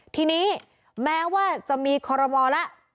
ทีนี้แม้ว่าจะมีคอรมอลแล้ว